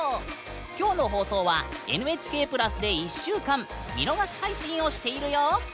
今日の放送はＮＨＫプラスで１週間見逃し配信をしているよ！